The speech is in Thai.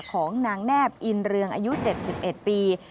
ของนางแนบอินเรืองอายุ๗๑ปี